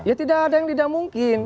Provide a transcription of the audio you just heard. ya tidak ada yang tidak mungkin